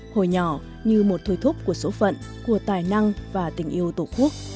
hồi nhỏ như một thôi thúc của số phận của tài năng và tình yêu tổ quốc